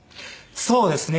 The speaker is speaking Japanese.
そうですね。